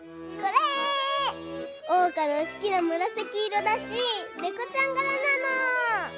おうかのすきなむらさきいろだしねこちゃんがらなの！